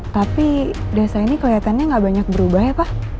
tapi desa ini kelihatannya nggak banyak berubah ya pak